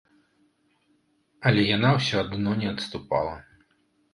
Але яна ўсё адно не адступала.